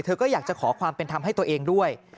ก็อยากจะขอความเป็นธรรมให้ตัวเองด้วย